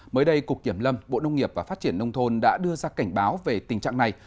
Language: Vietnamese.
mới đây cục kiểm lâm bộ nông nghiệp và phát triển nông thôn đã đưa ra cảnh báo về tình trạng này